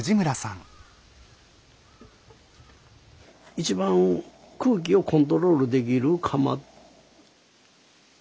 一番空気をコントロールできる窯。